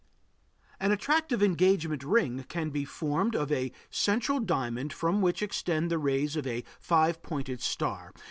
An attractive engagement ring can be formed of a central diamond from which extend the rays of a five pointed star.